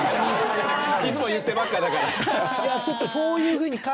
いつも言ってばかりだから。